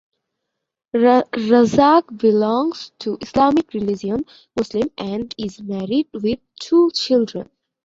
Razak belongs to the Islamic Religion (muslim) and is married with two children.